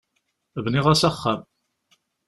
Bniɣ-as axxam.